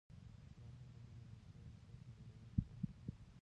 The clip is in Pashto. اشراف هم په دې مېلمستیاوو سرلوړي کېدل.